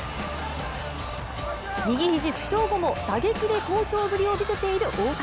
右肘負傷後も打撃で好調ぶりを見せている大谷。